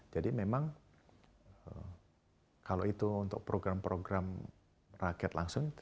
jadi memang kalau itu untuk program program rakyat langsung